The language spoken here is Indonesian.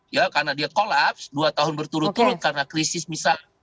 ya karena dia kolaps dua tahun berturut turut karena krisis misal